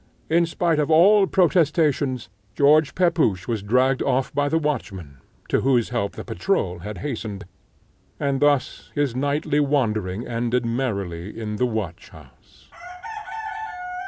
In spite of all protestations, George Pepusch was dragged off by the watchman, to whose help the patrol had hastened; and thus his nightly wandering ended merrily in the watch house.